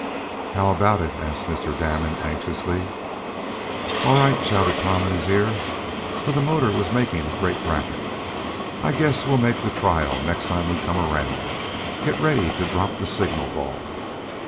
"How about it?" asked Mr. Damon anxiously. "All right!" shouted Tom in his ear, for the motor was making a great racket. "I guess we'll make the trial next time we come around. Get ready to drop the signal ball."